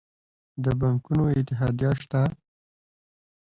د بانکونو اتحادیه شته؟